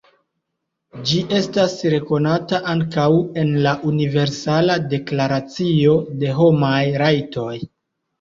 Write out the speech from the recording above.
Ĝi estas rekonata ankaŭ en la Universala Deklaracio de Homaj Rajtoj.